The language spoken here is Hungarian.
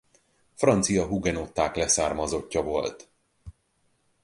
Francia hugenották leszármazottja volt.